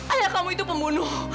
ayah kamu itu pembunuh